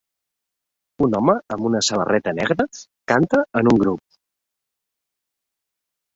Un home amb una samarreta negra canta en un grup.